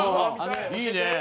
いいね！